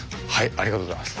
ありがとうございます。